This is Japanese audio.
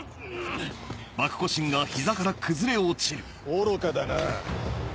愚かだな。